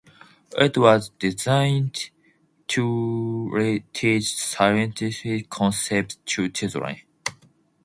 It was designed to teach scientific concepts to children.